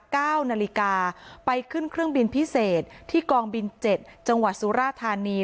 เก้านาฬิกาไปขึ้นเครื่องบินพิเศษที่กองบินเจ็ดจังหวัดสุราธานี